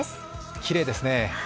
きれいですね。